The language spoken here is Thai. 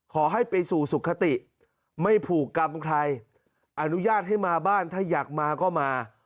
ขอให้ไปสู่สุขติไม่ผูกกรรมใครอนุญาตให้มาบ้านถ้าอยากมาก็มา